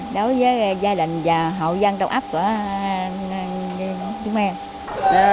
đối với gia đình và hậu dân trong ấp của